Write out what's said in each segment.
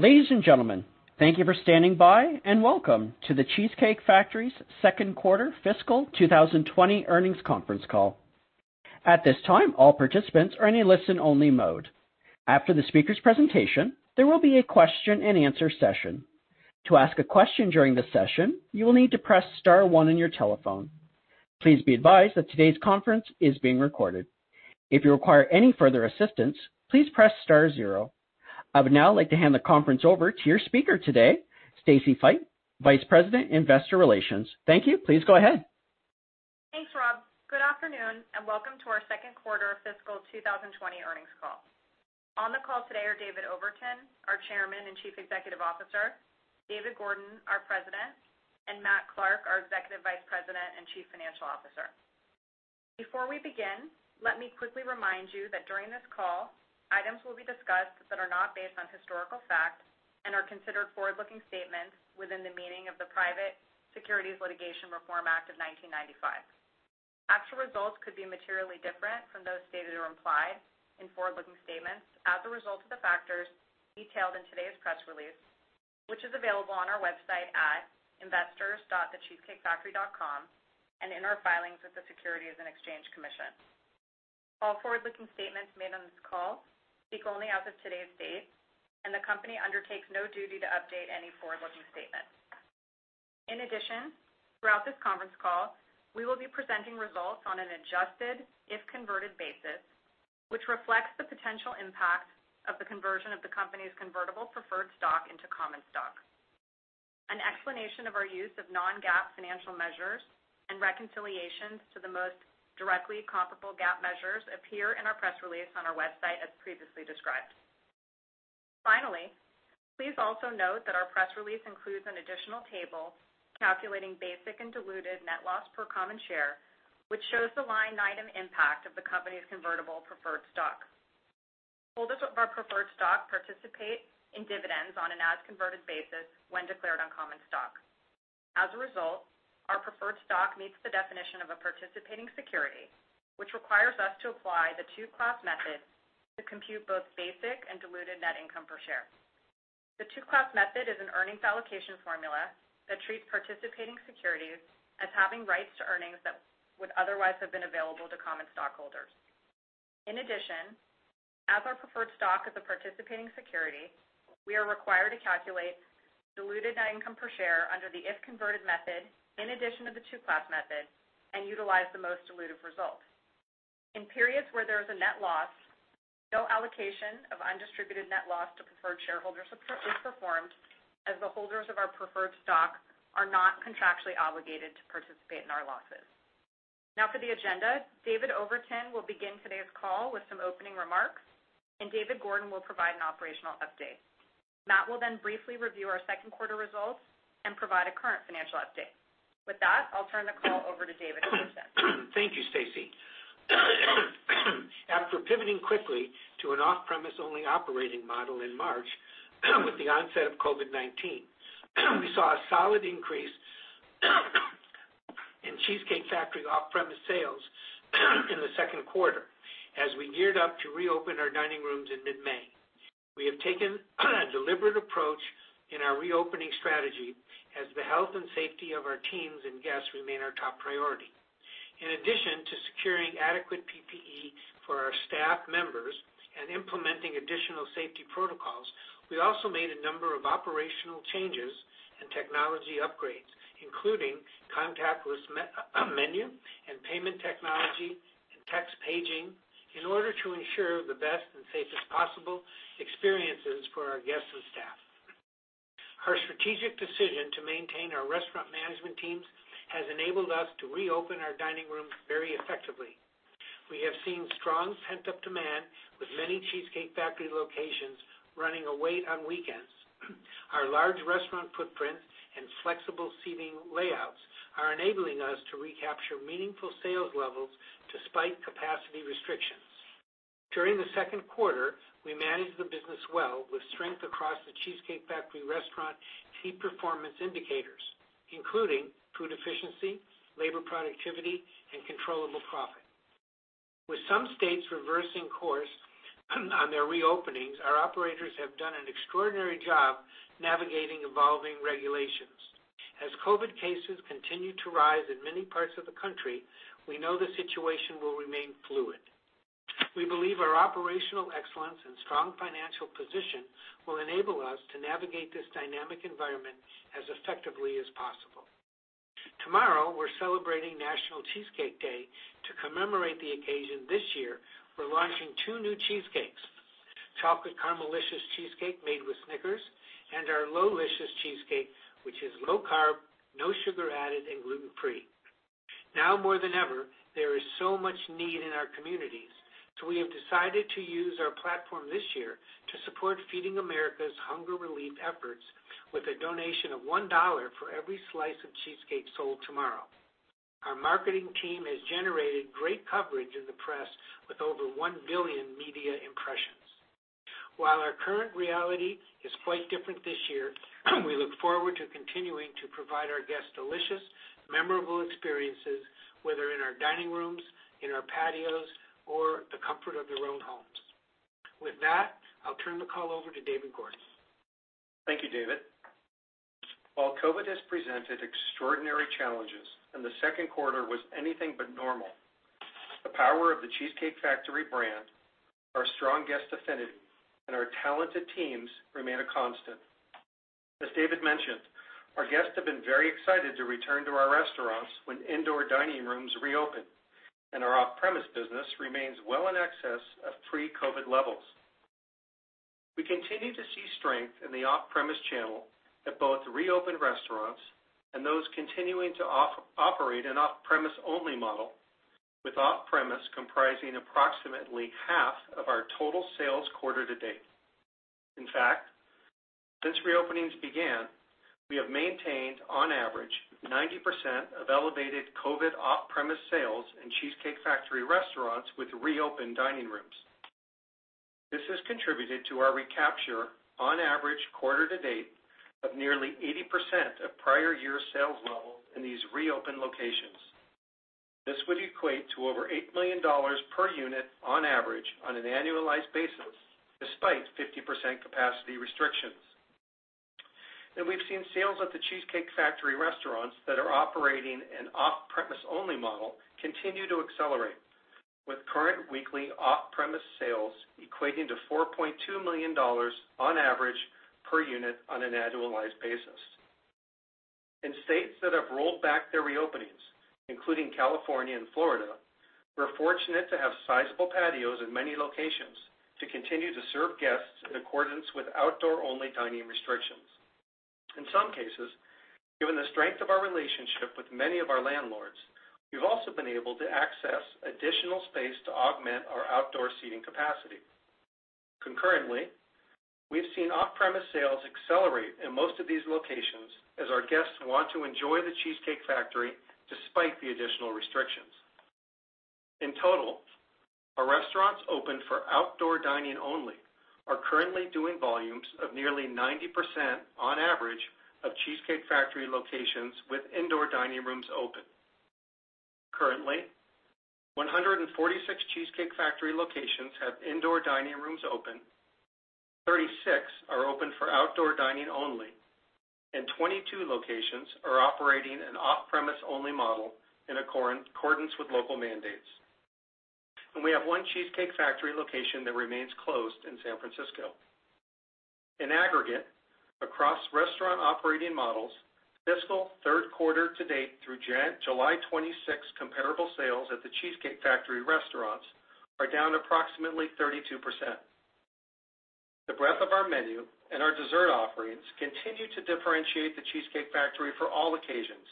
Ladies and gentlemen, thank you for standing by, and welcome to The Cheesecake Factory's second quarter fiscal 2020 earnings conference call. At this time, all participants are in a listen-only mode. After the speaker's presentation, there will be a question-and-answer session. To ask a question during the session, you will need to press star one on your telephone. Please be advised that today's conference is being recorded. If you require any further assistance, please press star zero. I would now like to hand the conference over to your speaker today, Stacy Feit, Vice President, Investor Relations. Thank you. Please go ahead. Thanks, Rob. Good afternoon, and welcome to our second quarter fiscal 2020 earnings call. On the call today are David Overton, our Chairman and Chief Executive Officer, David Gordon, our President, and Matt Clark, our Executive Vice President and Chief Financial Officer. Before we begin, let me quickly remind you that during this call, items will be discussed that are not based on historical fact and are considered forward-looking statements within the meaning of the Private Securities Litigation Reform Act of 1995. Actual results could be materially different from those stated or implied in forward-looking statements as a result of the factors detailed in today's press release, which is available on our website at investors.thecheesecakefactory.com and in our filings with the Securities and Exchange Commission. All forward-looking statements made on this call speak only as of today's date, and the company undertakes no duty to update any forward-looking statements. In addition, throughout this conference call, we will be presenting results on an adjusted, if converted basis, which reflects the potential impact of the conversion of the company's convertible preferred stock into common stock. An explanation of our use of non-GAAP financial measures and reconciliations to the most directly comparable GAAP measures appear in our press release on our website as previously described. Finally, please also note that our press release includes an additional table calculating basic and diluted net loss per common share, which shows the line item impact of the company's convertible preferred stock. Holders of our preferred stock participate in dividends on an as-converted basis when declared on common stock. As a result, our preferred stock meets the definition of a participating security, which requires us to apply the two-class method to compute both basic and diluted net income per share. The two-class method is an earnings allocation formula that treats participating securities as having rights to earnings that would otherwise have been available to common stockholders. In addition, as our preferred stock is a participating security, we are required to calculate diluted net income per share under the if converted method, in addition to the two-class method, and utilize the most dilutive result. In periods where there is a net loss, no allocation of undistributed net loss to preferred shareholders is performed, as the holders of our preferred stock are not contractually obligated to participate in our losses. For the agenda. David Overton will begin today's call with some opening remarks, and David Gordon will provide an operational update. Matt will then briefly review our second quarter results and provide a current financial update. With that, I'll turn the call over to David Overton. Thank you, Stacy. After pivoting quickly to an off-premise only operating model in March with the onset of COVID-19, we saw a solid increase in Cheesecake Factory off-premise sales in the second quarter as we geared up to reopen our dining rooms in mid-May. We have taken a deliberate approach in our reopening strategy as the health and safety of our teams and guests remain our top priority. In addition to securing adequate PPE for our staff members and implementing additional safety protocols, we also made a number of operational changes and technology upgrades, including contactless menu and payment technology and text paging in order to ensure the best and safest possible experiences for our guests and staff. Our strategic decision to maintain our restaurant management teams has enabled us to reopen our dining rooms very effectively. We have seen strong pent-up demand with many The Cheesecake Factory locations running a wait on weekends. Our large restaurant footprint and flexible seating layouts are enabling us to recapture meaningful sales levels despite capacity restrictions. During the second quarter, we managed the business well with strength across The Cheesecake Factory restaurant key performance indicators, including food efficiency, labor productivity, and controllable profit. With some states reversing course on their reopenings, our operators have done an extraordinary job navigating evolving regulations. As COVID-19 cases continue to rise in many parts of the country, we know the situation will remain fluid. We believe our operational excellence and strong financial position will enable us to navigate this dynamic environment as effectively as possible. Tomorrow, we're celebrating National Cheesecake Day. To commemorate the occasion this year, we're launching two new cheesecakes, Chocolate Caramelicious Cheesecake Made with Snickers, and our Low-Licious Cheesecake, which is low carb, no sugar added, and gluten-free. More than ever, there is so much need in our communities, we have decided to use our platform this year to support Feeding America's hunger relief efforts with a donation of $1 for every slice of cheesecake sold tomorrow. Our marketing team has generated great coverage in the press with over 1 billion media impressions. While our current reality is quite different this year, we look forward to continuing to provide our guests delicious, memorable experiences, whether in our dining rooms, in our patios, or the comfort of our own homes. With that, I'll turn the call over to David Gordon. Thank you, David. COVID has presented extraordinary challenges, and the second quarter was anything but normal, the power of The Cheesecake Factory brand, our strong guest affinity, and our talented teams remain a constant. As David mentioned, our guests have been very excited to return to our restaurants when indoor dining rooms reopen, and our off-premise business remains well in excess of pre-COVID levels. We continue to see strength in the off-premise channel at both reopened restaurants and those continuing to operate an off-premise only model, with off-premise comprising approximately half of our total sales quarter-to-date. In fact, since reopenings began, we have maintained on average 90% of elevated COVID off-premise sales in Cheesecake Factory restaurants with reopened dining rooms. This has contributed to our recapture, on average quarter-to-date, of nearly 80% of prior year sales levels in these reopened locations. This would equate to over $8 million per unit on average on an annualized basis, despite 50% capacity restrictions. We've seen sales at The Cheesecake Factory restaurants that are operating an off-premise only model continue to accelerate, with current weekly off-premise sales equating to $4.2 million on average per unit on an annualized basis. In states that have rolled back their reopenings, including California and Florida, we're fortunate to have sizable patios in many locations to continue to serve guests in accordance with outdoor-only dining restrictions. In some cases, given the strength of our relationship with many of our landlords, we've also been able to access additional space to augment our outdoor seating capacity. Concurrently, we've seen off-premise sales accelerate in most of these locations as our guests want to enjoy The Cheesecake Factory despite the additional restrictions. In total, our restaurants open for outdoor dining only are currently doing volumes of nearly 90% on average of The Cheesecake Factory locations with indoor dining rooms open. Currently, 146 The Cheesecake Factory locations have indoor dining rooms open, 36 are open for outdoor dining only, and 22 locations are operating an off-premise only model in accordance with local mandates. We have one The Cheesecake Factory location that remains closed in San Francisco. In aggregate, across restaurant operating models, fiscal third quarter-to-date through July 26th, comparable sales at The Cheesecake Factory restaurants are down approximately 32%. The breadth of our menu and our dessert offerings continue to differentiate The Cheesecake Factory for all occasions.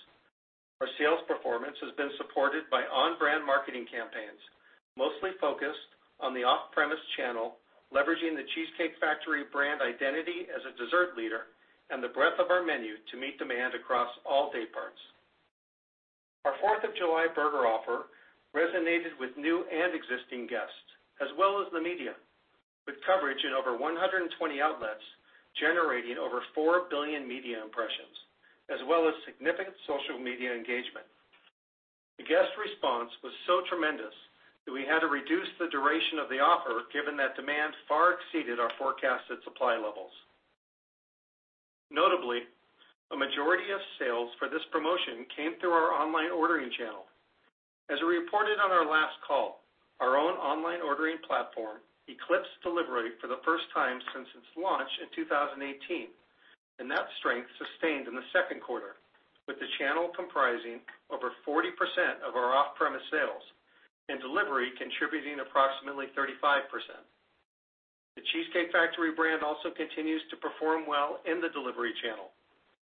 Our sales performance has been supported by on-brand marketing campaigns, mostly focused on the off-premise channel, leveraging The Cheesecake Factory brand identity as a dessert leader, and the breadth of our menu to meet demand across all day parts. Our 4th of July burger offer resonated with new and existing guests, as well as the media, with coverage in over 120 outlets, generating over 4 billion media impressions, as well as significant social media engagement. The guest response was so tremendous that we had to reduce the duration of the offer, given that demand far exceeded our forecasted supply levels. Notably, a majority of sales for this promotion came through our online ordering channel. As we reported on our last call, our own online ordering platform eclipsed delivery for the first time since its launch in 2018, and that strength sustained in the second quarter, with the channel comprising over 40% of our off-premise sales, and delivery contributing approximately 35%. The Cheesecake Factory brand also continues to perform well in the delivery channel.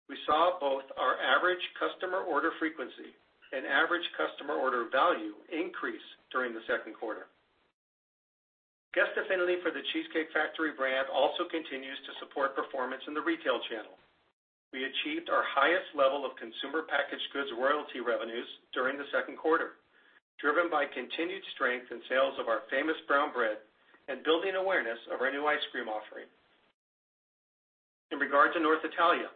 We saw both our average customer order frequency and average customer order value increase during the second quarter. Guest affinity for The Cheesecake Factory brand also continues to support performance in the retail channel. We achieved our highest level of consumer packaged goods royalty revenues during the second quarter, driven by continued strength in sales of our famous brown bread and building awareness of our new ice cream offering. In regard to North Italia,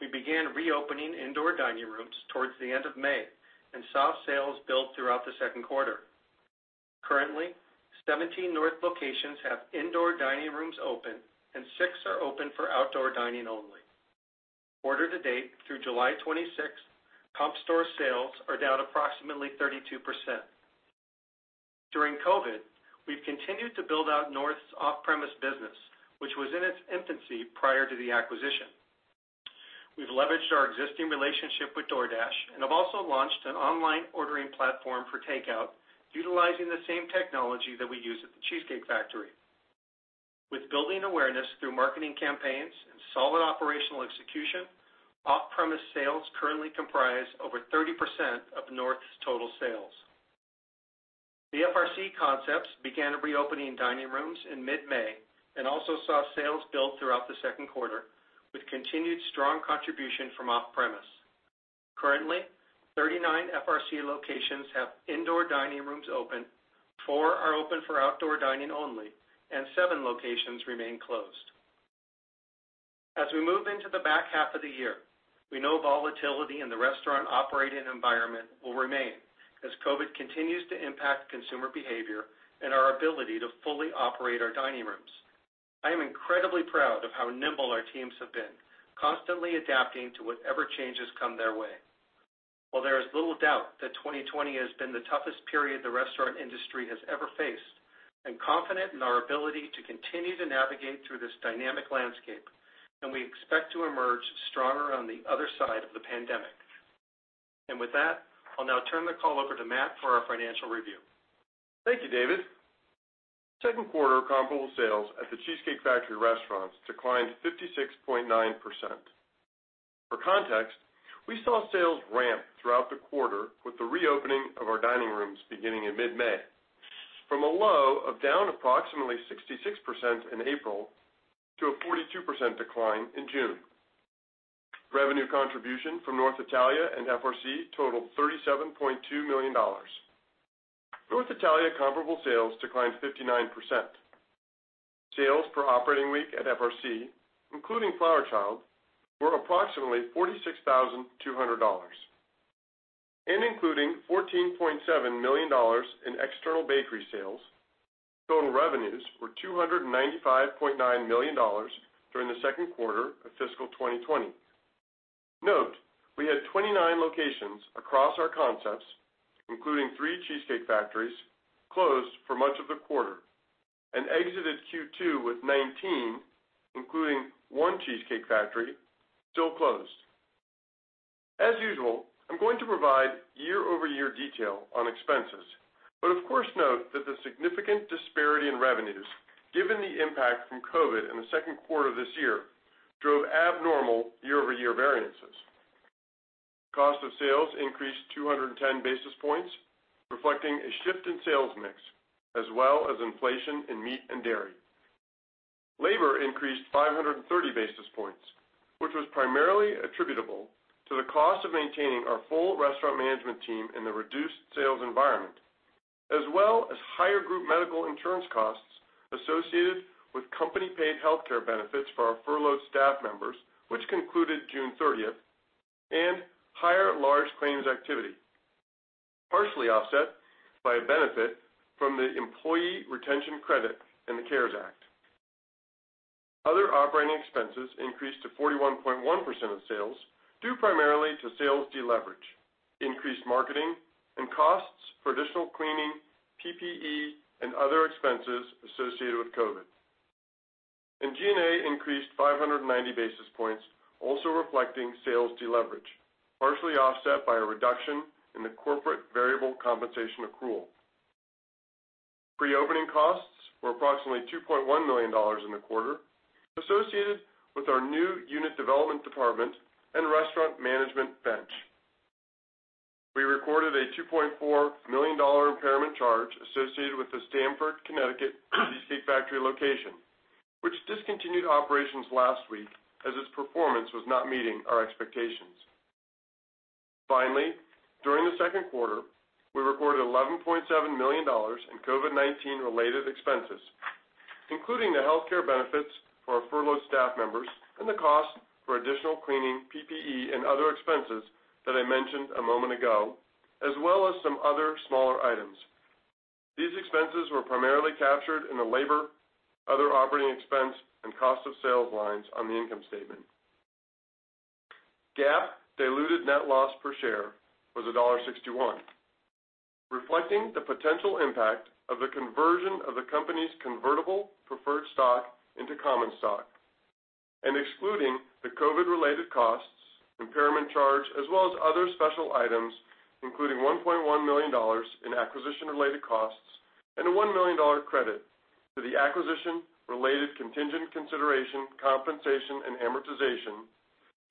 we began reopening indoor dining rooms towards the end of May and saw sales build throughout the second quarter. Currently, 17 North locations have indoor dining rooms open, and six are open for outdoor dining only. Quarter-to-date through July 26th, comp store sales are down approximately 32%. During COVID, we've continued to build out North's off-premise business, which was in its infancy prior to the acquisition. We've leveraged our existing relationship with DoorDash and have also launched an online ordering platform for takeout, utilizing the same technology that we use at The Cheesecake Factory. With building awareness through marketing campaigns and solid operational execution, off-premise sales currently comprise over 30% of North's total sales. The FRC concepts began reopening dining rooms in mid-May and also saw sales build throughout the second quarter, with continued strong contribution from off-premise. Currently, 39 FRC locations have indoor dining rooms open, four are open for outdoor dining only, and seven locations remain closed. As we move into the back half of the year, we know volatility in the restaurant operating environment will remain as COVID continues to impact consumer behavior and our ability to fully operate our dining rooms. I am incredibly proud of how nimble our teams have been, constantly adapting to whatever changes come their way. While there is little doubt that 2020 has been the toughest period the restaurant industry has ever faced, I'm confident in our ability to continue to navigate through this dynamic landscape, and we expect to emerge stronger on the other side of the pandemic. With that, I'll now turn the call over to Matt for our financial review. Thank you, David. Second quarter comparable sales at the Cheesecake Factory restaurants declined 56.9%. For context, we saw sales ramp throughout the quarter with the reopening of our dining rooms beginning in mid-May, from a low of down approximately 66% in April to a 42% decline in June. Revenue contribution from North Italia and FRC totaled $37.2 million. North Italia comparable sales declined 59%. Sales per operating week at FRC, including Flower Child, were approximately $46,200, and including $14.7 million in external bakery sales, total revenues were $295.9 million during the second quarter of fiscal 2020. Note, we had 29 locations across our concepts, including three Cheesecake Factories, closed for much of the quarter, and exited Q2 with 19, including one Cheesecake Factory, still closed. As usual, I'm going to provide year-over-year detail on expenses, but of course, note that the significant disparity in revenues, given the impact from COVID in the second quarter of this year, drove abnormal year-over-year variances. Cost of sales increased 210 basis points, reflecting a shift in sales mix, as well as inflation in meat and dairy. Labor increased 530 basis points, which was primarily attributable to the cost of maintaining our full restaurant management team in the reduced sales environment, as well as higher group medical insurance costs associated with company-paid healthcare benefits for our furloughed staff members, which concluded June 30th, and higher large claims activity, partially offset by a benefit from the employee retention credit in the CARES Act. Other operating expenses increased to 41.1% of sales, due primarily to sales deleverage, increased marketing, and costs for additional cleaning, PPE, and other expenses associated with COVID. G&A increased 590 basis points, also reflecting sales deleverage, partially offset by a reduction in the corporate variable compensation accrual. Reopening costs were approximately $2.1 million in the quarter, associated with our new unit development department and restaurant management bench. We recorded a $2.4 million impairment charge associated with the Stamford, Connecticut The Cheesecake Factory location, which discontinued operations last week, as its performance was not meeting our expectations. During the second quarter, we recorded $11.7 million in COVID-19-related expenses, including the healthcare benefits for our furloughed staff members and the cost for additional cleaning, PPE, and other expenses that I mentioned a moment ago, as well as some other smaller items. These expenses were primarily captured in the labor, other operating expense, and cost of sales lines on the income statement. GAAP diluted net loss per share was $1.61, reflecting the potential impact of the conversion of the company's convertible preferred stock into common stock and excluding the COVID-19-related costs, impairment charge, as well as other special items, including $1.1 million in acquisition-related costs and a $1 million credit to the acquisition-related contingent consideration, compensation, and amortization,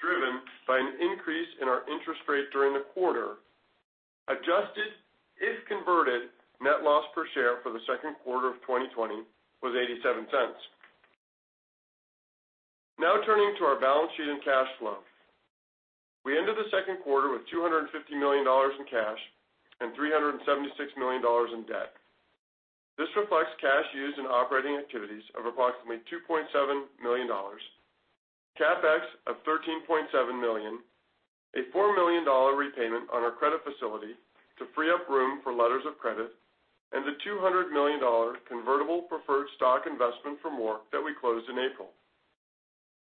driven by an increase in our interest rate during the quarter. Adjusted, if converted, net loss per share for the second quarter of 2020 was $0.87. Turning to our balance sheet and cash flow. We ended the second quarter with $250 million in cash and $376 million in debt. This reflects cash used in operating activities of approximately $2.7 million, CapEx of $13.7 million, a $4 million repayment on our credit facility to free up room for letters of credit, and the $200 million convertible preferred stock investment from Roark that we closed in April.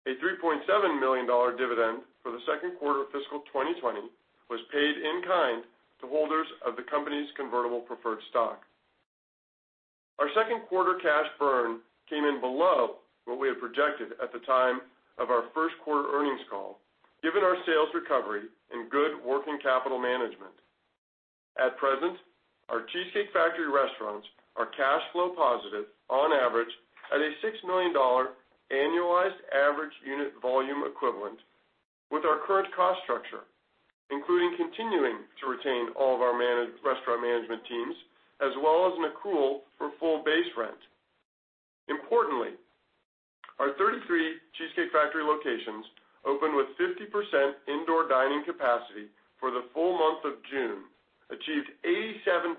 A $3.7 million dividend for the second quarter of fiscal 2020 was paid in kind to holders of the company's convertible preferred stock. Our second quarter cash burn came in below what we had projected at the time of our first quarter earnings call, given our sales recovery and good working capital management. At present, our The Cheesecake Factory restaurants are cash flow positive on average at a $6 million annualized average unit volume equivalent with our current cost structure, including continuing to retain all of our restaurant management teams, as well as an accrual for full base rent. Importantly, our 33 The Cheesecake Factory locations with a 50% indoor dining capacity for the full month of June, achieved 87%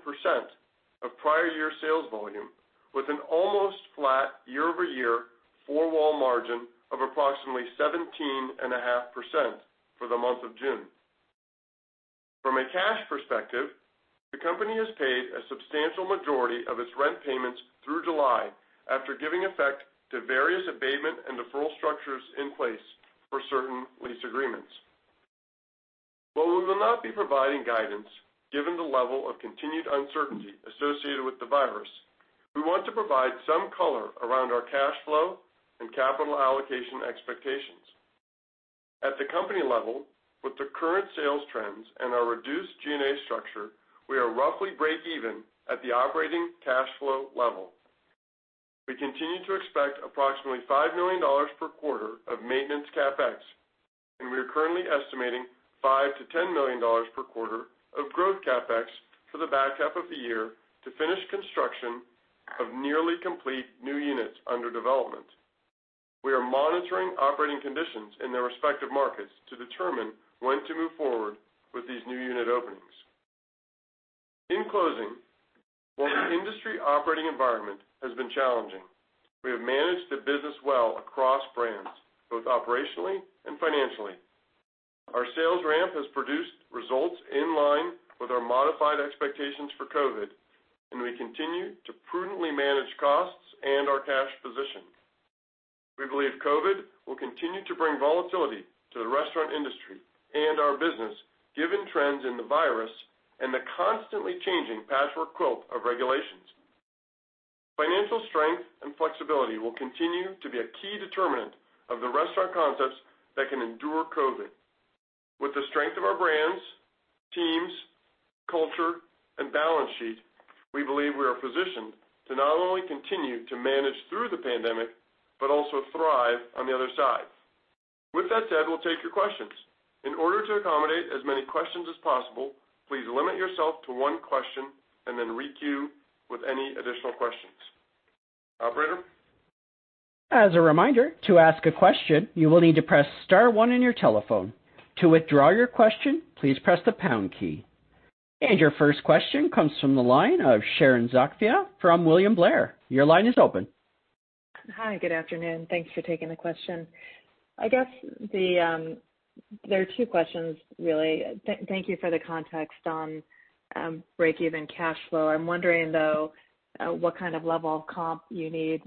of prior year sales volume with an almost flat year-over-year four-wall margin of approximately 17.5% for the month of June. From a cash perspective, the company has paid a substantial majority of its rent payments through July after giving effect to various abatement and deferral structures in place for certain lease agreements. While we will not be providing guidance, given the level of continued uncertainty associated with the virus, we want to provide some color around our cash flow and capital allocation expectations. At the company level, with the current sales trends and our reduced G&A structure, we are roughly breakeven at the operating cash flow level. We continue to expect approximately $5 million per quarter of maintenance CapEx, and we are currently estimating $5 million-$10 million per quarter of growth CapEx for the back half of the year to finish construction of nearly complete new units under development. We are monitoring operating conditions in their respective markets to determine when to move forward with these new unit openings. In closing, while the industry operating environment has been challenging, we have managed the business well across brands, both operationally and financially. Our sales ramp has produced results in line with our modified expectations for COVID, and we continue to prudently manage costs and our cash position. We believe COVID will continue to bring volatility to the restaurant industry and our business, given trends in the virus and the constantly changing patchwork quilt of regulations. Financial strength and flexibility will continue to be a key determinant of the restaurant concepts that can endure COVID-19. With the strength of our brands, teams, culture, and balance sheet, we believe we are positioned to not only continue to manage through the pandemic but also thrive on the other side. With that said, we'll take your questions. In order to accommodate as many questions as possible, please limit yourself to one question and then re-queue with any additional questions. Operator? As a reminder, to ask a question, you will need to press star one on your telephone. To withdraw your question, please press the pound key. Your first question comes from the line of Sharon Zackfia from William Blair. Your line is open. Hi. Good afternoon. Thanks for taking the question. I guess there are two questions really. Thank you for the context on breakeven cash flow. I'm wondering, though, what kind of level of comp you need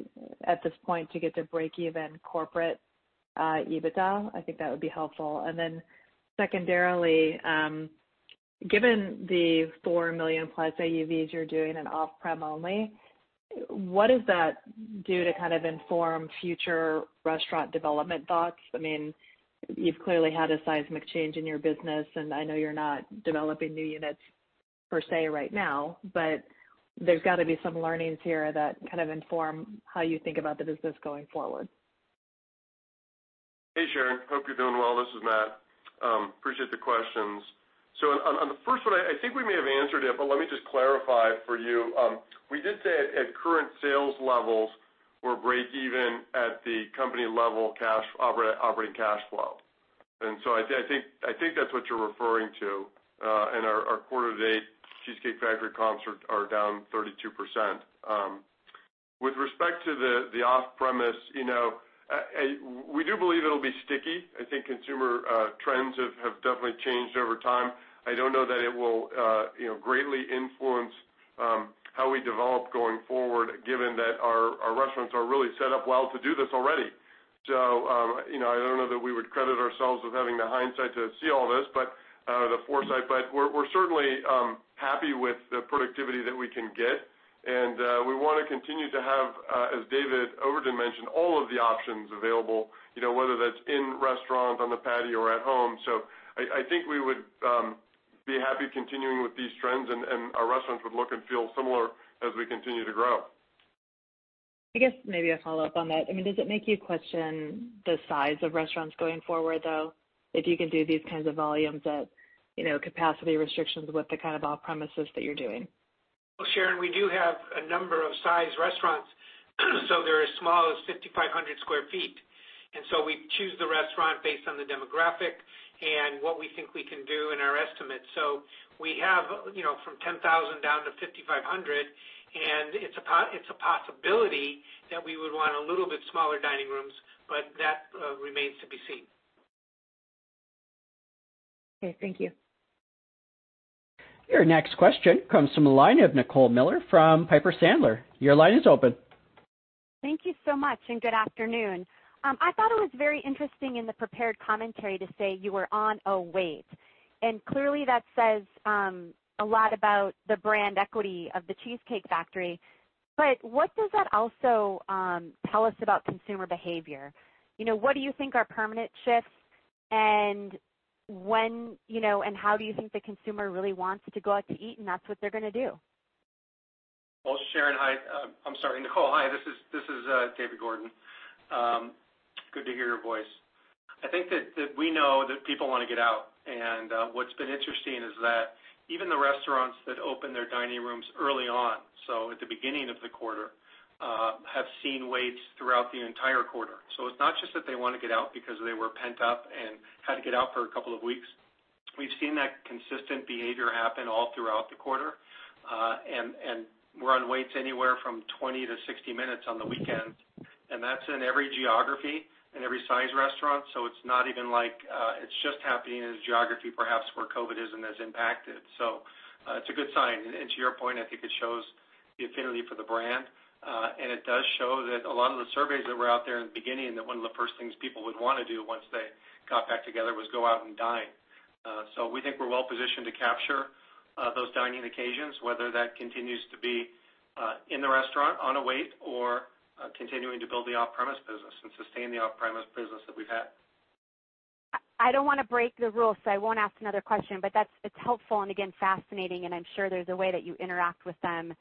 at this point to get to breakeven corporate EBITDA? I think that would be helpful. Then secondarily, given the $4 million+ AUVs you're doing in off-prem only, what does that do to kind of inform future restaurant development thoughts? You've clearly had a seismic change in your business, and I know you're not developing new units per se right now, but there's got to be some learnings here that kind of inform how you think about the business going forward. Hey, Sharon. Hope you're doing well. This is Matt. Appreciate the questions. On the first one, I think we may have answered it, but let me just clarify for you. We did say at current sales levels, we're breakeven at the company level operating cash flow. I think that's what you're referring to in our quarter-to-date, Cheesecake Factory comps are down 32%. With respect to the off-premise, we do believe it'll be sticky. I think consumer trends have definitely changed over time. I don't know that it will greatly influence how we develop going forward, given that our restaurants are really set up well to do this already. I don't know that we would credit ourselves with having the hindsight to see all this, but the foresight, but we're certainly happy with the productivity that we can get. We want to continue to have, as David Overton mentioned, all of the options available, whether that's in restaurant, on the patio, or at home. I think we would be happy continuing with these trends, and our restaurants would look and feel similar as we continue to grow. I guess maybe a follow-up on that. Does it make you question the size of restaurants going forward, though, if you can do these kinds of volumes at capacity restrictions with the kind of off-premises that you're doing? Well, Sharon, we do have a number of size restaurants, so they're as small as 5,500 sq ft. We choose the restaurant based on the demographic and what we think we can do in our estimates. We have from 10,000 sq ft down to 5,500 sq ft, and it's a possibility that we would want a little bit smaller dining rooms, but that remains to be seen. Okay, thank you. Your next question comes from the line of Nicole Miller from Piper Sandler. Your line is open. Thank you so much, good afternoon. I thought it was very interesting in the prepared commentary to say you were on a wait. Clearly that says a lot about the brand equity of The Cheesecake Factory. What does that also tell us about consumer behavior? What do you think are permanent shifts, and when and how do you think the consumer really wants to go out to eat, and that's what they're going to do? Sharon, hi. I'm sorry, Nicole. Hi, this is David Gordon. Good to hear your voice. I think that we know that people want to get out, and what's been interesting is that even the restaurants that opened their dining rooms early on, so at the beginning of the quarter. Have seen waits throughout the entire quarter. It's not just that they want to get out because they were pent up and had to get out for a couple of weeks. We've seen that consistent behavior happen all throughout the quarter, and we're on waits anywhere from 20-60 minutes on the weekends, and that's in every geography, in every size restaurant. It's not even like it's just happening in a geography, perhaps, where COVID isn't as impacted. It's a good sign. To your point, I think it shows the affinity for the brand, and it does show that a lot of the surveys that were out there in the beginning, that one of the first things people would want to do once they got back together was go out and dine. We think we're well positioned to capture those dining occasions, whether that continues to be in the restaurant on a wait or continuing to build the off-premise business and sustain the off-premise business that we've had. I don't want to break the rules, so I won't ask another question, but it's helpful and again, fascinating, and I'm sure there's a way that you interact with them,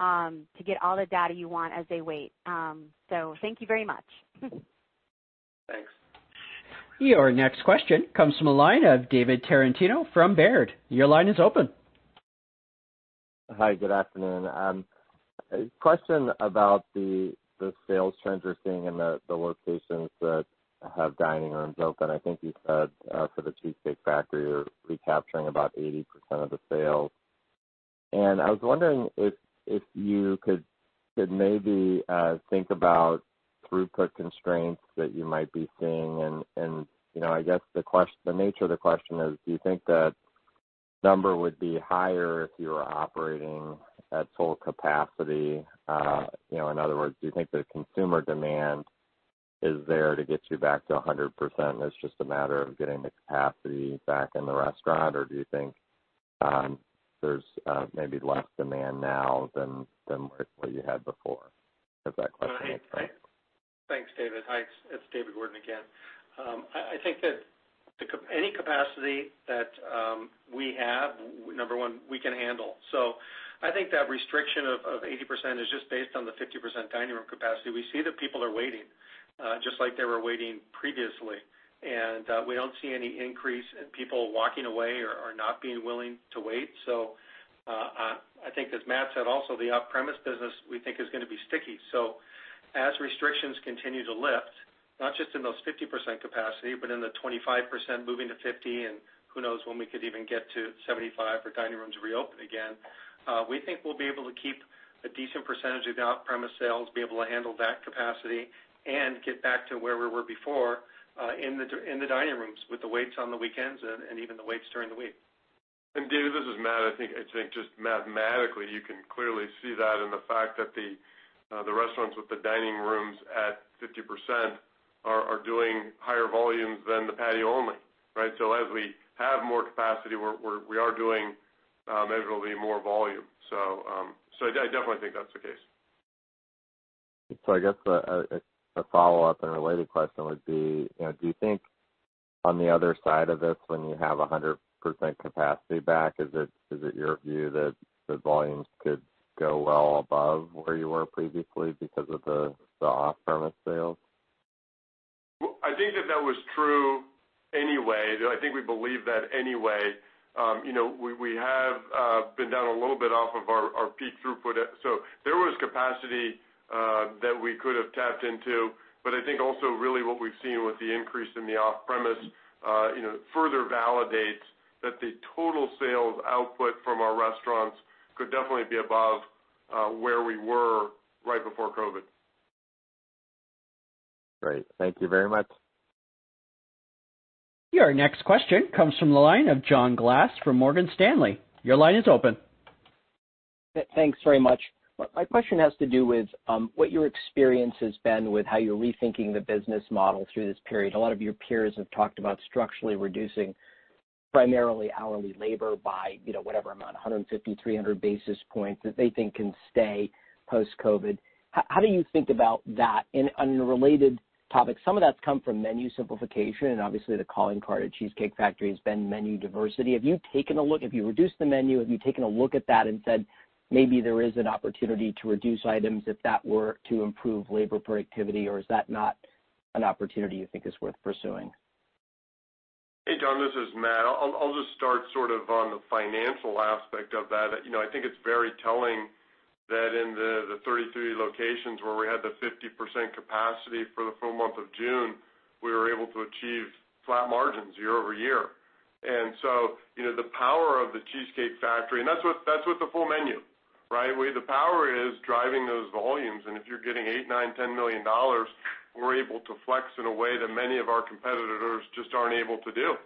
to get all the data you want as they wait. Thank you very much. Thanks. Your next question comes from the line of David Tarantino from Baird. Your line is open. Hi. Good afternoon. A question about the sales trends you're seeing in the locations that have dining rooms open. I think you said for The Cheesecake Factory, you're recapturing about 80% of the sales. I was wondering if you could maybe think about throughput constraints that you might be seeing and I guess the nature of the question is, do you think that number would be higher if you were operating at full capacity? In other words, do you think the consumer demand is there to get you back to 100%, it's just a matter of getting the capacity back in the restaurant, or do you think there's maybe less demand now than what you had before? If that question makes sense. Thanks, David. Hi, it's David Gordon again. I think that any capacity that we have, number one, we can handle. I think that restriction of 80% is just based on the 50% dining room capacity. We see that people are waiting, just like they were waiting previously, and we don't see any increase in people walking away or not being willing to wait. I think as Matt said also, the off-premise business, we think is going to be sticky. As restrictions continue to lift, not just in those 50% capacity, but in the 25% moving to 50%, and who knows when we could even get to 75% for dining rooms to reopen again. We think we'll be able to keep a decent percentage of the off-premise sales, be able to handle that capacity and get back to where we were before, in the dining rooms with the waits on the weekends and even the waits during the week. David, this is Matt. I think, just mathematically, you can clearly see that in the fact that the restaurants with the dining rooms at 50% are doing higher volumes than the patio only. Right? As we have more capacity, we are doing measurably more volume. I definitely think that's the case. I guess a follow-up and related question would be, do you think on the other side of this, when you have 100% capacity back, is it your view that the volumes could go well above where you were previously because of the off-premise sales? I think that that was true anyway. I think we believe that anyway. We have been down a little bit off of our peak throughput, so there was capacity that we could have tapped into. I think also really what we've seen with the increase in the off-premise further validates that the total sales output from our restaurants could definitely be above where we were right before COVID. Great. Thank you very much. Your next question comes from the line of John Glass from Morgan Stanley. Your line is open. Thanks very much. My question has to do with what your experience has been with how you're rethinking the business model through this period. A lot of your peers have talked about structurally reducing primarily hourly labor by whatever amount, 150-300 basis points that they think can stay post-COVID. How do you think about that? On a related topic, some of that's come from menu simplification, and obviously the calling card at Cheesecake Factory has been menu diversity. Have you taken a look, have you reduced the menu? Have you taken a look at that and said, "Maybe there is an opportunity to reduce items if that were to improve labor productivity," or is that not an opportunity you think is worth pursuing? Hey, John, this is Matt. I'll just start sort of on the financial aspect of that. I think it's very telling that in the 33 locations where we had the 50% capacity for the full month of June, we were able to achieve flat margins year-over-year. The power of The Cheesecake Factory, and that's with the full menu, right? The power is driving those volumes, and if you're getting $8 million, $9 million, $10 million, we're able to flex in a way that many of our competitors just aren't able to do.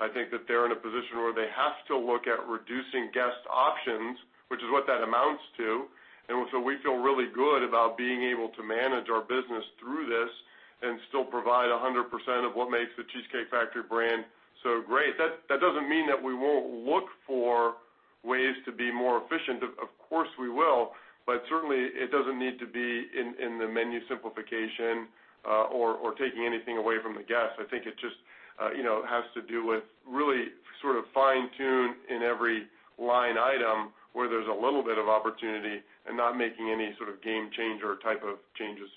I think that they're in a position where they have to look at reducing guest options, which is what that amounts to. We feel really good about being able to manage our business through this and still provide 100% of what makes The Cheesecake Factory brand so great. That doesn't mean that we won't look for ways to be more efficient. Of course, we will, but certainly it doesn't need to be in the menu simplification, or taking anything away from the guest. I think it just has to do with really sort of fine-tune in every line item where there's a little bit of opportunity and not making any sort of game changer type of changes.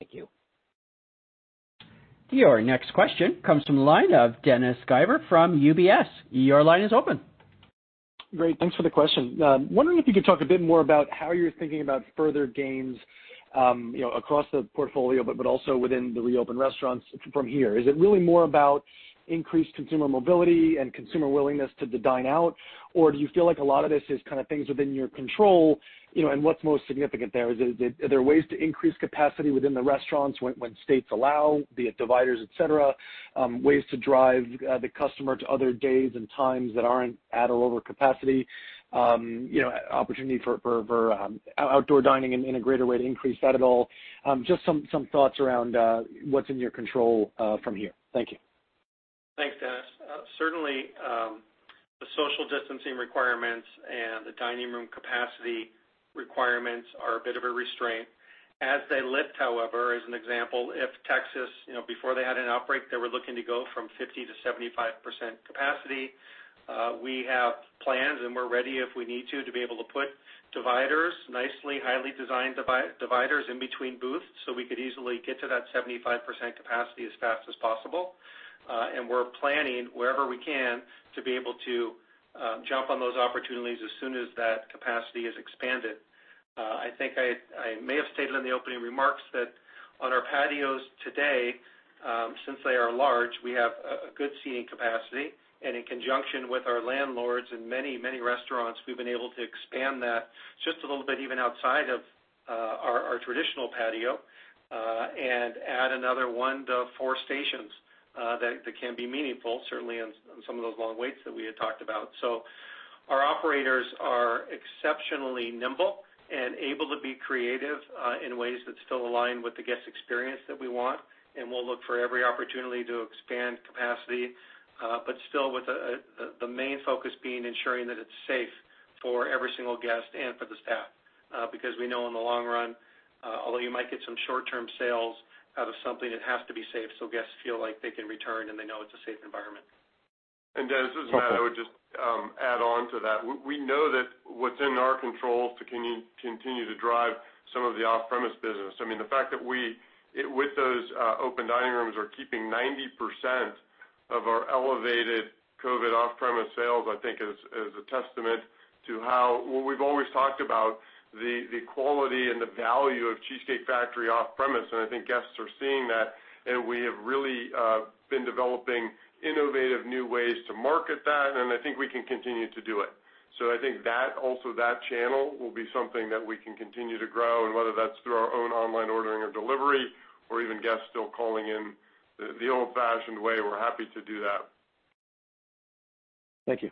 Thank you. Your next question comes from the line of Dennis Geiger from UBS. Your line is open. Great. Thanks for the question. Wondering if you could talk a bit more about how you're thinking about further gains across the portfolio, but also within the reopened restaurants from here. Is it really more about increased consumer mobility and consumer willingness to dine out, or do you feel like a lot of this is things within your control, and what's most significant there? Are there ways to increase capacity within the restaurants when states allow, be it dividers, et cetera, ways to drive the customer to other days and times that aren't at or over capacity, opportunity for outdoor dining in a greater way to increase that at all? Just some thoughts around what's in your control from here. Thank you. Thanks, Dennis. Certainly, the social distancing requirements and the dining room capacity requirements are a bit of a restraint. As they lift, however, as an example, if Texas, before they had an outbreak, they were looking to go from 50%-75% capacity. We have plans, and we're ready if we need to be able to put dividers, nicely, highly designed dividers in between booths so we could easily get to that 75% capacity as fast as possible. We're planning wherever we can to be able to jump on those opportunities as soon as that capacity is expanded. I think I may have stated in the opening remarks that on our patios today, since they are large, we have a good seating capacity. In conjunction with our landlords and many restaurants, we've been able to expand that just a little bit, even outside of our traditional patio, and add another one to four stations, that can be meaningful, certainly on some of those long waits that we had talked about. Our operators are exceptionally nimble and able to be creative in ways that still align with the guest experience that we want. We'll look for every opportunity to expand capacity, but still with the main focus being ensuring that it's safe for every single guest and for the staff, because we know in the long run, although you might get some short-term sales out of something, it has to be safe so guests feel like they can return, and they know it's a safe environment. Dennis, this is Matt. I would just add on to that. We know that what's in our control to continue to drive some of the off-premise business. The fact that with those open dining rooms, we're keeping 90% of our elevated COVID off-premise sales, I think, is a testament to how we've always talked about the quality and the value of Cheesecake Factory off-premise, and I think guests are seeing that, and we have really been developing innovative new ways to market that, and I think we can continue to do it. I think also that channel will be something that we can continue to grow, and whether that's through our own online ordering or delivery or even guests still calling in the old-fashioned way, we're happy to do that. Thank you.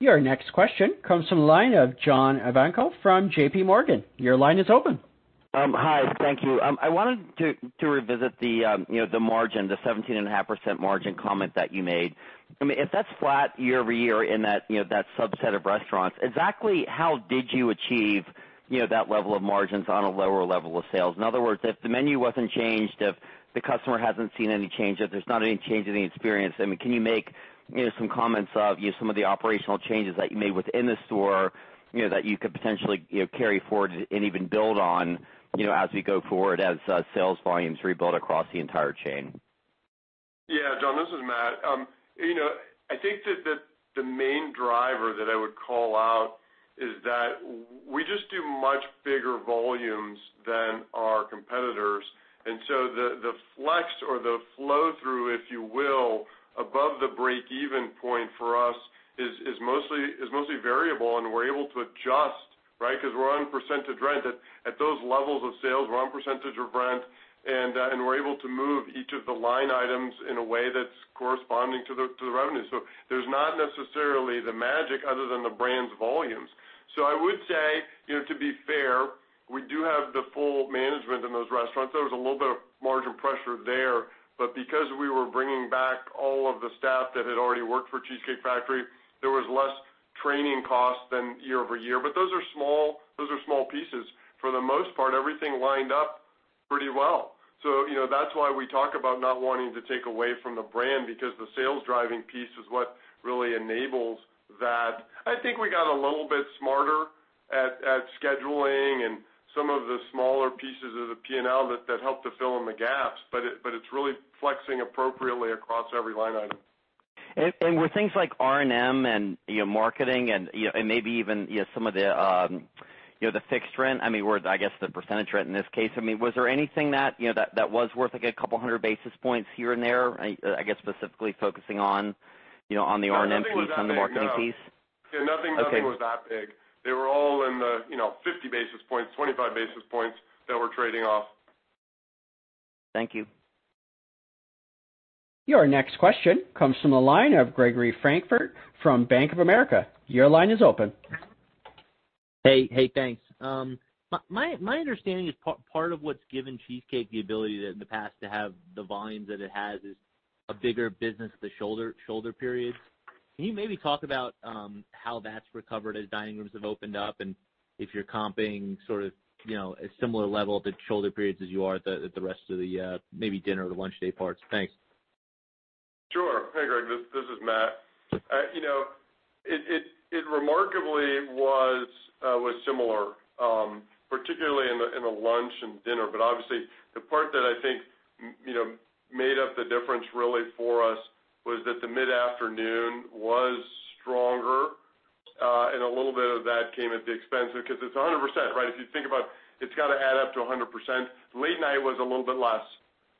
Your next question comes from the line of John Ivankoe from JPMorgan. Your line is open. Hi. Thank you. I wanted to revisit the margin, the 17.5% margin comment that you made. If that's flat year-over-year in that subset of restaurants, exactly how did you achieve that level of margins on a lower level of sales? In other words, if the menu wasn't changed, if the customer hasn't seen any change, if there's not any change in the experience, can you make some comments of some of the operational changes that you made within the store, that you could potentially carry forward and even build on as we go forward, as sales volumes rebuild across the entire chain? John, this is Matt. I think that the main driver that I would call out is that we just do much bigger volumes than our competitors. The flex or the flow-through, if you will, above the break-even point for us is mostly variable, and we're able to adjust because we're on percentage rent at those levels of sales. We're on percentage of rent, and we're able to move each of the line items in a way that's corresponding to the revenue. There's not necessarily the magic other than the brand's volumes. I would say, to be fair, we do have the full management in those restaurants. There was a little bit of margin pressure there. Because we were bringing back all of the staff that had already worked for The Cheesecake Factory, there was less training cost than year-over-year. Those are small pieces. For the most part, everything lined up pretty well. That's why we talk about not wanting to take away from the brand because the sales-driving piece is what really enables that. I think we got a little bit smarter at scheduling and some of the smaller pieces of the P&L that helped to fill in the gaps, but it's really flexing appropriately across every line item. With things like R&M and marketing and maybe even some of the fixed rent, I guess the percentage rent in this case, was there anything that was worth a couple of 100 basis points here and there, I guess specifically focusing on the R&M piece and the marketing piece? Nothing was that big. Okay. They were all in the 50 basis points, 25 basis points that were trading off. Thank you. Your next question comes from the line of Gregory Francfort from Bank of America. Your line is open. Hey, thanks. My understanding is part of what's given Cheesecake the ability in the past to have the volumes that it has is a bigger business at the shoulder periods. Can you maybe talk about how that's recovered as dining rooms have opened up, and if you're comping sort of a similar level at the shoulder periods as you are at the rest of the maybe dinner or the lunch day parts? Thanks. Hey, Greg, this is Matt. It remarkably was similar, particularly in the lunch and dinner. Obviously, the part that I think made up the difference really for us was that the mid-afternoon was stronger, and a little bit of that came at the expense, because it's 100%, right? If you think about it's got to add up to 100%. Late night was a little bit less,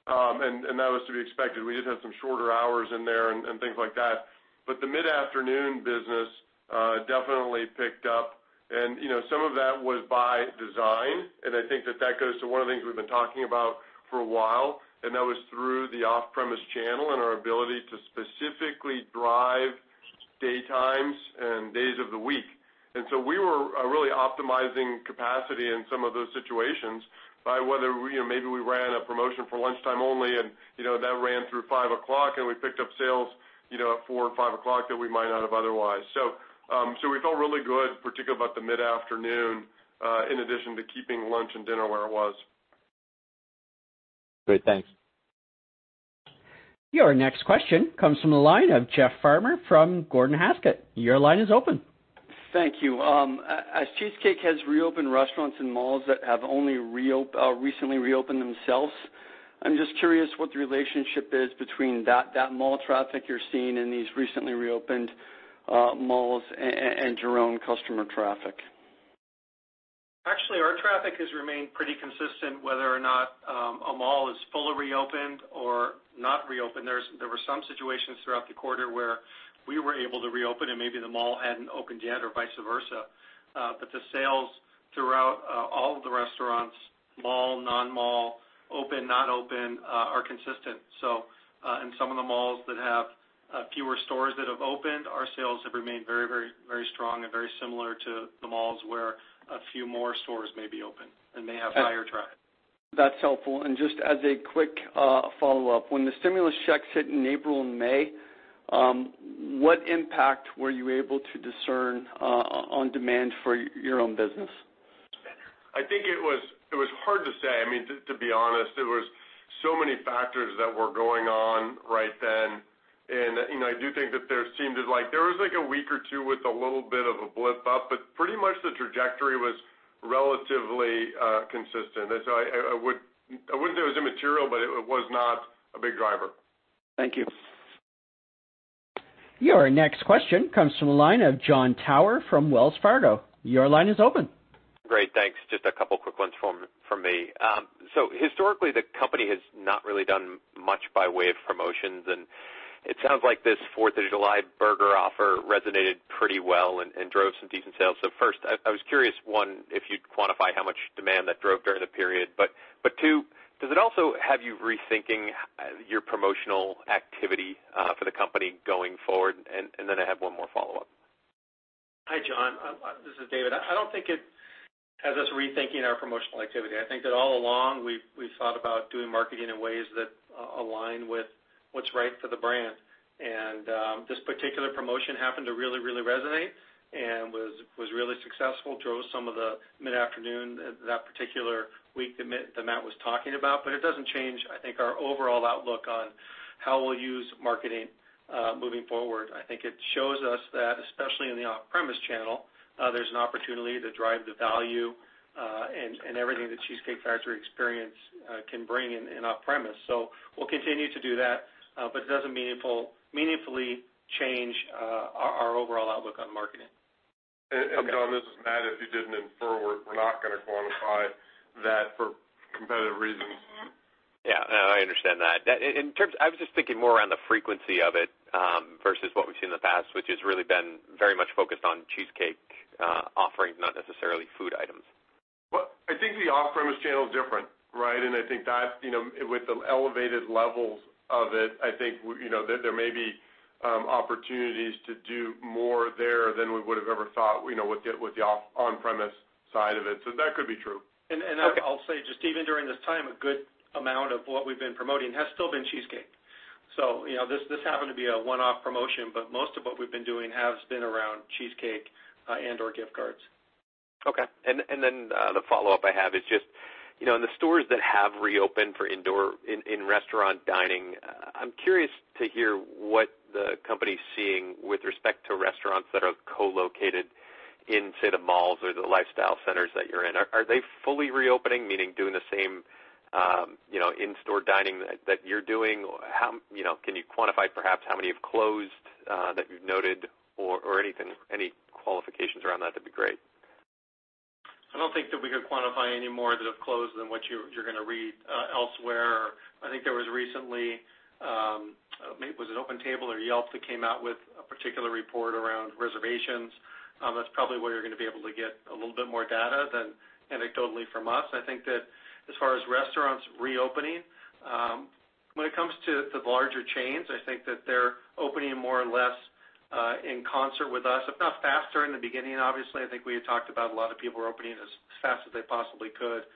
and that was to be expected. We just had some shorter hours in there and things like that. The mid-afternoon business definitely picked up. Some of that was by design, and I think that goes to one of the things we've been talking about for a while, and that was through the off-premise channel and our ability to specifically drive daytimes and days of the week. We were really optimizing capacity in some of those situations by whether maybe we ran a promotion for lunchtime only, and that ran through 5:00 P.M., and we picked up sales at 4:00 P.M. or 5:00 P.M. that we might not have otherwise. We felt really good, particularly about the mid-afternoon, in addition to keeping lunch and dinner where it was. Great. Thanks. Your next question comes from the line of Jeff Farmer from Gordon Haskett. Your line is open. Thank you. As Cheesecake has reopened restaurants and malls that have only recently reopened themselves, I'm just curious what the relationship is between that mall traffic you're seeing in these recently reopened malls and your own customer traffic. Actually, our traffic has remained pretty consistent, whether or not a mall is fully reopened or not reopened. There were some situations throughout the quarter where we were able to reopen, and maybe the mall hadn't opened yet, or vice versa. The sales throughout all of the restaurants, mall, non-mall, open, not open, are consistent. In some of the malls that have fewer stores that have opened, our sales have remained very strong and very similar to the malls where a few more stores may be open and may have higher traffic. That's helpful. Just as a quick follow-up, when the stimulus checks hit in April and May, what impact were you able to discern on demand for your own business? I think it was hard to say. To be honest, there were so many factors that were going on right then. I do think that there seemed like there was a week or two with a little bit of a blip up, but pretty much the trajectory was relatively consistent. I wouldn't say it was immaterial, but it was not a big driver. Thank you. Your next question comes from the line of Jon Tower from Wells Fargo. Your line is open. Great. Thanks. Just a couple of quick ones from me. Historically, the company has not really done much by way of promotions, and it sounds like this 4th of July burger offer resonated pretty well and drove some decent sales. First, I was curious, one, if you'd quantify how much demand that drove during the period. Two, does it also have you rethinking your promotional activity for the company going forward? I have one more follow-up. Hi, Jon. This is David. I don't think it has us rethinking our promotional activity. I think that all along, we've thought about doing marketing in ways that align with what's right for the brand. This particular promotion happened to really resonate and was really successful, drove some of the mid-afternoon that particular week that Matt was talking about. It doesn't change, I think, our overall outlook on how we'll use marketing moving forward. I think it shows us that, especially in the off-premise channel, there's an opportunity to drive the value and everything The Cheesecake Factory experience can bring in off-premise. We'll continue to do that. It doesn't meaningfully change our overall outlook on marketing. Jon, this is Matt. If you didn't infer, we're not going to quantify that for competitive reasons. I understand that. I was just thinking more around the frequency of it versus what we've seen in the past, which has really been very much focused on cheesecake offerings, not necessarily food items. Well, I think the off-premise channel is different, right? I think that with the elevated levels of it, I think there may be opportunities to do more there than we would have ever thought with the on-premise side of it. That could be true. I'll say, just even during this time, a good amount of what we've been promoting has still been cheesecake. This happened to be a one-off promotion, but most of what we've been doing has been around cheesecake and/or gift cards. Okay. The follow-up I have is just, in the stores that have reopened for indoor in-restaurant dining, I'm curious to hear what the company's seeing with respect to restaurants that are co-located in, say, the malls or the lifestyle centers that you're in. Are they fully reopening, meaning doing the same in-store dining that you're doing? Can you quantify perhaps how many have closed that you've noted or any qualifications around that? That'd be great. I don't think that we could quantify any more that have closed than what you're going to read elsewhere. I think there was recently, maybe was it OpenTable or Yelp that came out with a particular report around reservations. That's probably where you're going to be able to get a little bit more data than anecdotally from us. I think that as far as restaurants reopening, when it comes to the larger chains, I think that they're opening more or less in concert with us, if not faster in the beginning, obviously. I think we had talked about a lot of people were opening as fast as they possibly could,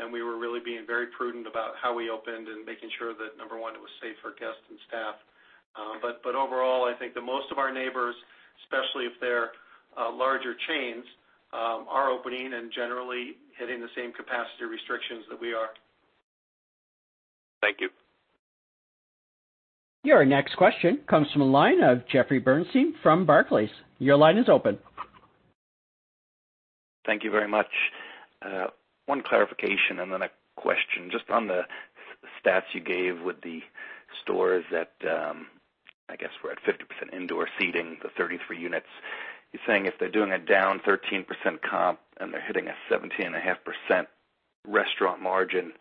and we were really being very prudent about how we opened and making sure that, number one, it was safe for guests and staff. Overall, I think that most of our neighbors, especially if they're larger chains, are opening and generally hitting the same capacity restrictions that we are. Thank you. Your next question comes from the line of Jeffrey Bernstein from Barclays. Your line is open. Thank you very much. One clarification and then a question just on the stats you gave with the stores that, I guess were at 50% indoor seating, the 33 units. You're saying if they're doing a down 13% comp and they're hitting a 17.5% restaurant margin,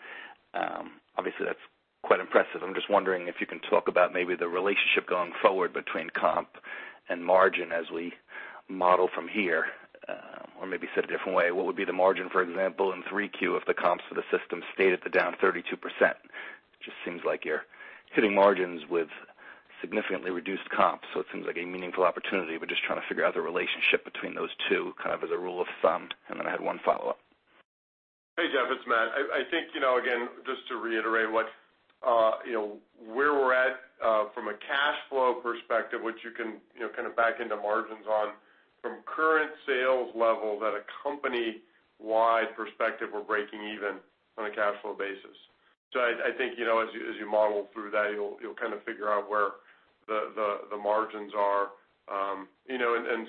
obviously that's quite impressive. I'm just wondering if you can talk about maybe the relationship going forward between comp and margin as we model from here. Maybe said a different way, what would be the margin, for example, in 3Q if the comps for the system stayed at the down 32%? Seems like you're hitting margins with significantly reduced comps, it seems like a meaningful opportunity, just trying to figure out the relationship between those two, kind of as a rule of thumb. I had one follow-up. Hey, Jeff, it's Matt. I think, again, just to reiterate where we're at from a cash flow perspective, which you can kind of back into margins on from current sales level that a company-wide perspective, we're breaking even on a cash flow basis. I think, as you model through that, you'll kind of figure out where the margins are.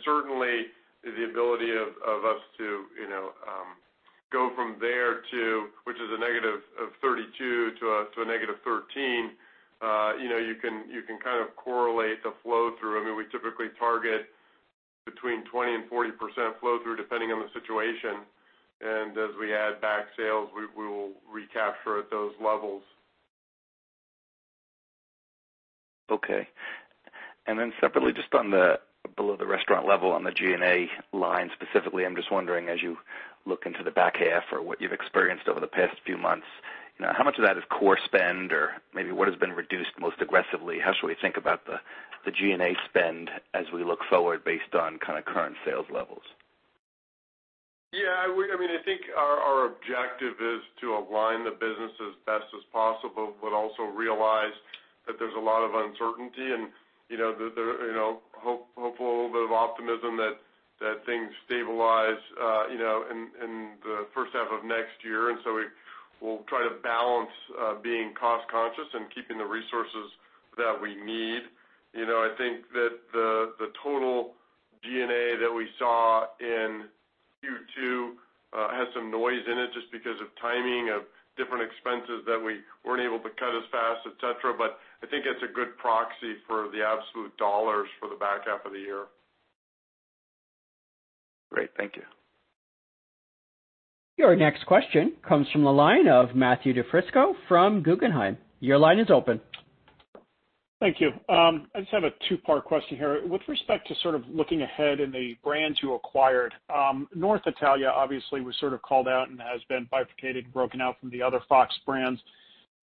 Certainly, the ability of us to go from there to, which is a -32% to a -13%, you can kind of correlate the flow through. We typically target between 20% and 40% flow through, depending on the situation. As we add back sales, we will recapture at those levels. Okay. Separately, just below the restaurant level on the G&A line specifically, I'm just wondering, as you look into the back half or what you've experienced over the past few months, how much of that is core spend or maybe what has been reduced most aggressively? How should we think about the G&A spend as we look forward based on current sales levels? I think our objective is to align the business as best as possible, but also realize that there's a lot of uncertainty and hopeful a little bit of optimism that things stabilize in the first half of next year. We'll try to balance being cost conscious and keeping the resources that we need. I think that the total G&A that we saw in Q2 had some noise in it just because of timing of different expenses that we weren't able to cut as fast, et cetera. I think it's a good proxy for the absolute dollars for the back half of the year. Great. Thank you. Your next question comes from the line of Matthew DiFrisco from Guggenheim. Your line is open. Thank you. I just have a two-part question here. With respect to sort of looking ahead in the brands you acquired, North Italia obviously was sort of called out and has been bifurcated and broken out from the other Fox brands,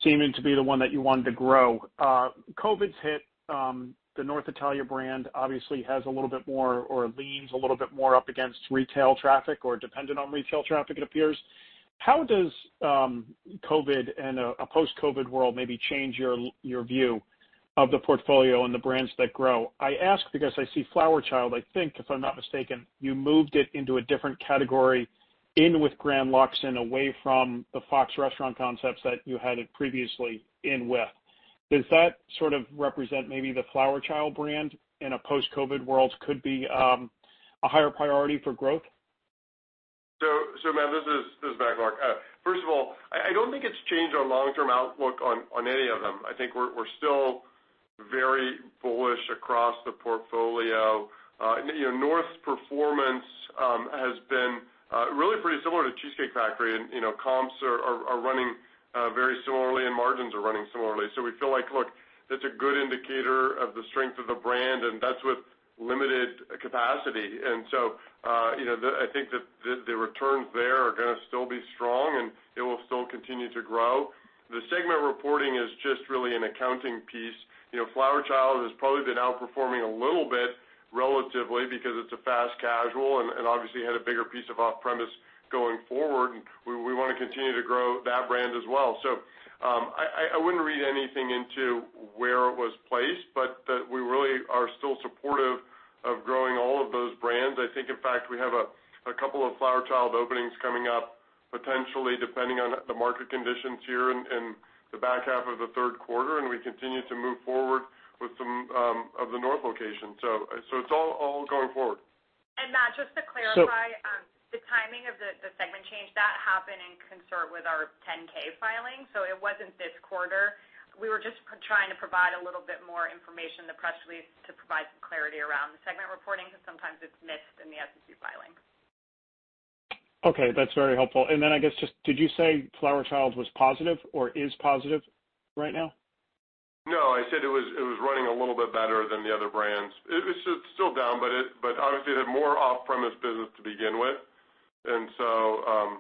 seeming to be the one that you wanted to grow. COVID's hit. The North Italia brand obviously has a little bit more, or leans a little bit more up against retail traffic or dependent on retail traffic, it appears. How does COVID and a post-COVID world maybe change your view of the portfolio and the brands that grow? I ask because I see Flower Child, I think, if I'm not mistaken, you moved it into a different category in with Grand Lux and away from the Fox Restaurant Concepts that you had it previously in with. Does that sort of represent maybe the Flower Child brand in a post-COVID world could be a higher priority for growth? Matt, this is Matt. First of all, I don't think it's changed our long-term outlook on any of them. I think we're still very bullish across the portfolio. North's performance has been really pretty similar to Cheesecake Factory. Comps are running very similarly, and margins are running similarly. We feel like, look, that's a good indicator of the strength of the brand, and that's with limited capacity. I think that the returns there are going to still be strong, and it will still continue to grow. The segment reporting is just really an accounting piece. Flower Child has probably been outperforming a little bit relatively because it's a fast casual and obviously had a bigger piece of off-premise going forward, and we want to continue to grow that brand as well. I wouldn't read anything into where it was placed, but that we really are still supportive of growing all of those brands. I think, in fact, we have a couple of Flower Child openings coming up potentially depending on the market conditions here in the back half of the third quarter, and we continue to move forward with some of the North locations. It's all going forward. Matt, just to clarify the timing of the segment change. That happened in concert with our 10-K filing. It wasn't this quarter. We were just trying to provide a little bit more information in the press release to provide some clarity around the segment reporting because sometimes it's missed in the SEC filing. Okay, that's very helpful. I guess just did you say Flower Child was positive or is positive right now? No, I said it was running a little bit better than the other brands. It's still down, but obviously it had more off-premise business to begin with. So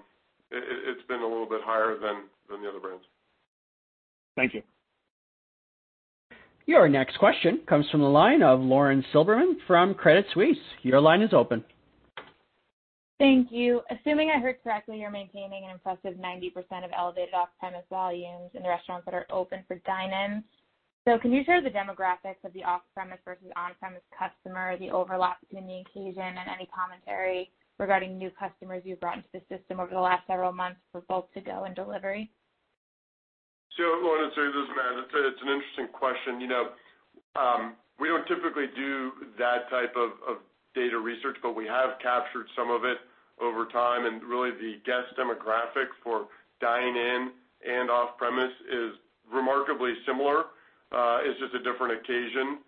it's been a little bit higher than the other brands. Thank you. Your next question comes from the line of Lauren Silberman from Credit Suisse. Your line is open. Thank you. Assuming I heard correctly, you're maintaining an impressive 90% of elevated off-premise volumes in the restaurants that are open for dine-ins. Can you share the demographics of the off-premise versus on-premise customer, the overlap between the occasion, and any commentary regarding new customers you've brought into the system over the last several months for both to-go and delivery? I want to say this-- Matt. It's an interesting question. We don't typically do that type of data research, but we have captured some of it over time, and really the guest demographic for dine-in and off-premise is remarkably similar. It's just a different occasion.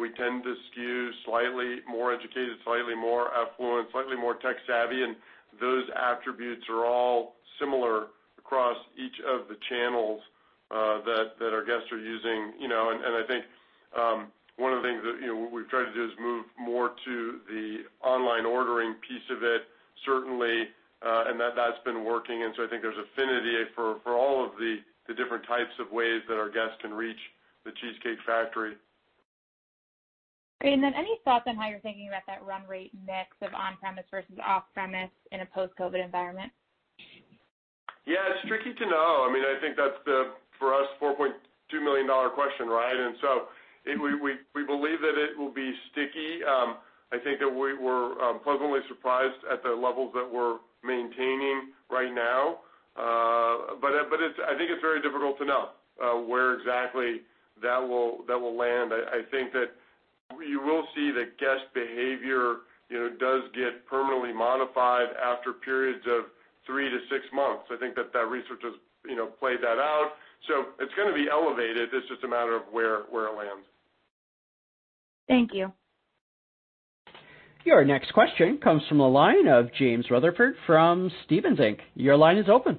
We tend to skew slightly more educated, slightly more affluent, slightly more tech savvy, and those attributes are all similar across each of the channels that our guests are using. I think, one of the things that we've tried to do is move more to the online ordering piece of it, certainly, and that's been working. I think there's affinity for all of the different types of ways that our guests can reach The Cheesecake Factory. Okay, any thoughts on how you're thinking about that run rate mix of on-premise versus off-premise in a post-COVID-19 environment? Yeah, it's tricky to know. I think that's the, for us, $4.2 million question, right? We believe that it will be sticky. I think that we were pleasantly surprised at the levels that we're maintaining right now. I think it's very difficult to know where exactly that will land. I think that you will see that guest behavior does get permanently modified after periods of three to six months. I think that research has played that out. It's going to be elevated, it's just a matter of where it lands. Thank you. Your next question comes from the line of James Rutherford from Stephens Inc. Your line is open.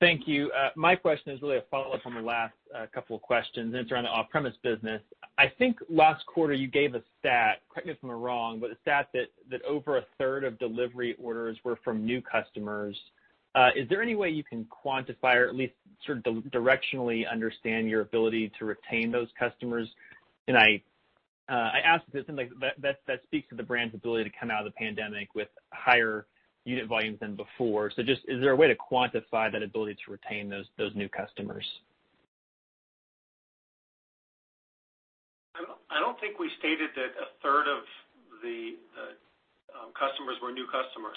Thank you. My question is really a follow-up from the last couple of questions, and it's around the off-premise business. I think last quarter you gave a stat, correct me if I'm wrong, but a stat that over a third of delivery orders were from new customers. Is there any way you can quantify or at least directionally understand your ability to retain those customers? I ask because that speaks to the brand's ability to come out of the pandemic with higher unit volumes than before. Just, is there a way to quantify that ability to retain those new customers? I don't think we stated that a third of the customers were new customers.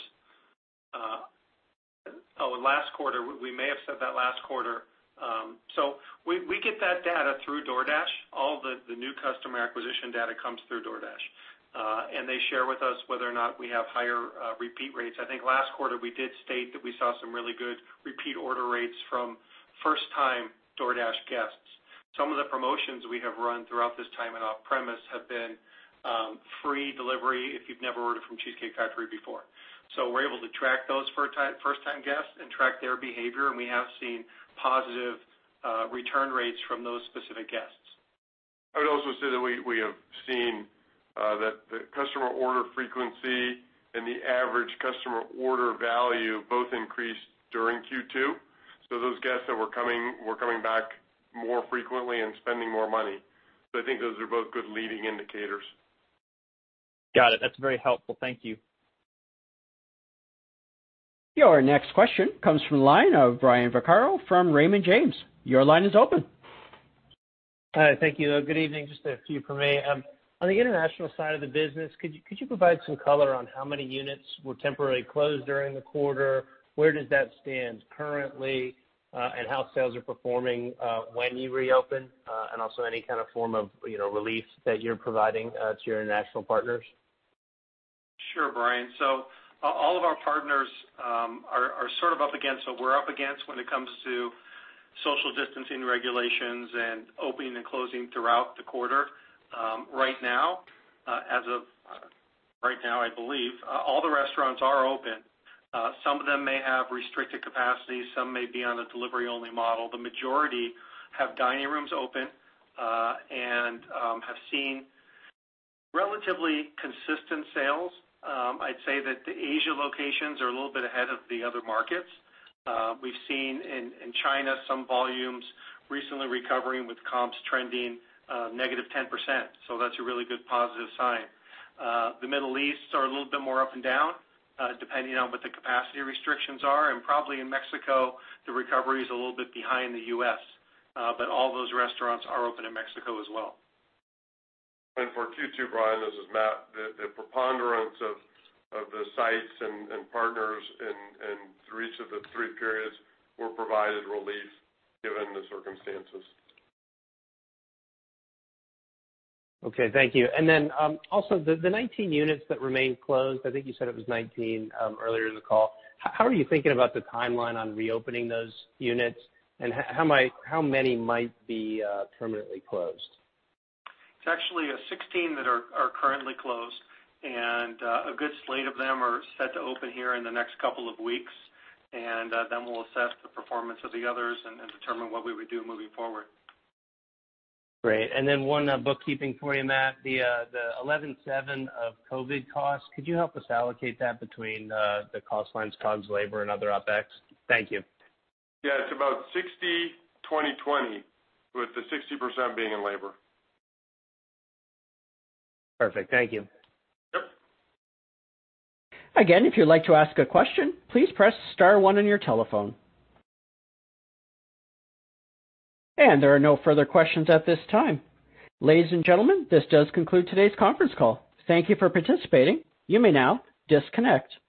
Last quarter. We may have said that last quarter. We get that data through DoorDash. All the new customer acquisition data comes through DoorDash. They share with us whether or not we have higher repeat rates. I think last quarter we did state that we saw some really good repeat order rates from first-time DoorDash guests. Some of the promotions we have run throughout this time in off-premise have been free delivery if you've never ordered from Cheesecake Factory before. We're able to track those first-time guests and track their behavior, and we have seen positive return rates from those specific guests. I would also say that we have seen that the customer order frequency and the average customer order value both increased during Q2. Those guests that were coming, were coming back more frequently and spending more money. I think those are both good leading indicators. Got it. That's very helpful. Thank you. Your next question comes from the line of Brian Vaccaro from Raymond James. Your line is open. Thank you. Good evening. Just a few from me. On the international side of the business, could you provide some color on how many units were temporarily closed during the quarter, where does that stand currently, and how sales are performing when you reopen, and also any kind of form of relief that you're providing to your international partners? Sure, Brian. All of our partners are up against what we're up against when it comes to social distancing regulations and opening and closing throughout the quarter. Right now, I believe, all the restaurants are open. Some of them may have restricted capacity, some may be on a delivery-only model. The majority have dining rooms open, and have seen relatively consistent sales. I'd say that the Asia locations are a little bit ahead of the other markets. We've seen in China some volumes recently recovering with comps trending -10%, so that's a really good positive sign. The Middle East are a little bit more up and down, depending on what the capacity restrictions are. Probably in Mexico, the recovery's a little bit behind the U.S. All those restaurants are open in Mexico as well. For Q2, Brian, this is Matt. The preponderance of the sites and partners, and through each of the three periods, were provided relief given the circumstances. Okay. Thank you. Also, the 19 units that remain closed, I think you said it was 19 earlier in the call. How are you thinking about the timeline on reopening those units, and how many might be permanently closed? It's actually 16 that are currently closed. A good slate of them are set to open here in the next couple of weeks. We'll assess the performance of the others and determine what we would do moving forward. Great. One bookkeeping for you, Matt. The $11.7 of COVID costs, could you help us allocate that between the cost lines, COGS, labor, and other OpEx? Thank you. Yeah, it's about 60%, 20%, 20%, with the 60% being in labor. Perfect. Thank you. Yep. Again, if you'd like to ask a question, please press star one on your telephone. There are no further questions at this time. Ladies and gentlemen, this does conclude today's conference call. Thank you for participating. You may now disconnect.